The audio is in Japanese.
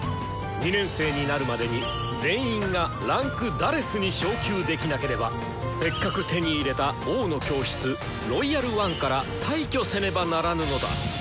２年生になるまでに全員が位階「４」に昇級できなければせっかく手に入れた「王の教室」「ロイヤル・ワン」から退去せねばならぬのだ！